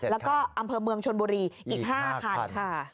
แล้วก็อำเภอเมืองชนบุรีอีก๕คันค่ะ